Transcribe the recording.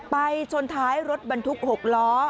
ไปชนท้ายรถบรรทุก๖ล้อ